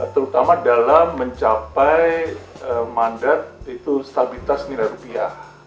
terutama dalam mencapai mandat yaitu stabilitas nilai rupiah